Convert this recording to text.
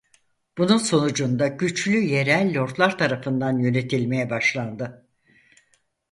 Bunun sonucunda güçlü yerel lordlar tarafından yönetilmeye başlandı.